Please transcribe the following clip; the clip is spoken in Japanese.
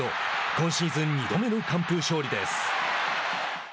今シーズン２度目の完封勝利です。